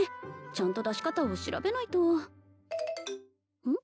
ちゃんと出し方を調べないとうん？